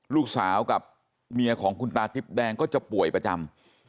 ลูกสาวกับเมียของคุณตาติ๊บแดงก็จะป่วยประจำ